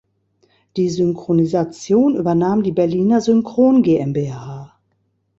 Die Synchronisation übernahm die Berliner Synchron GmbH.